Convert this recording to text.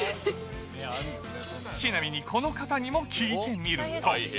ちなみにこの方にも聞いてみ